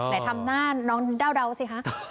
นายทำหน้าน้องดาวสิค่ะ